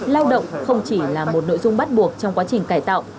lao động không chỉ là một nội dung bắt buộc trong quá trình cải tạo